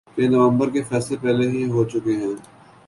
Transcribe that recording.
کہ نومبر کے فیصلے پہلے ہی ہو چکے ہیں۔